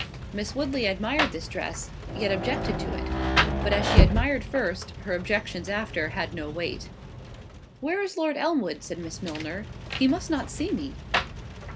Miss Woodley admired this dress, yet objected to it; but as she admired first, her objections after had no weight. "Where is Lord Elmwood?" said Miss Milner—"he must not see me."